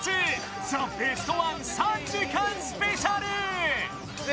その「ザ・ベストワン３時間スペシャル」。